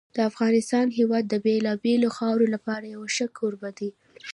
د افغانستان هېواد د بېلابېلو خاورو لپاره یو ښه کوربه دی.